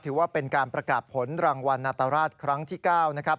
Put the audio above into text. ถือว่าเป็นการประกาศผลรางวัลนาตราชครั้งที่๙นะครับ